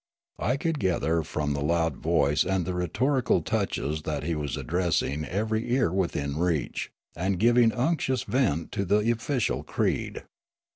I could gather from the loud voice and the rhetorical touches that he was addressing every ear within reach, and giving unctuous vent to the ofiicial creed.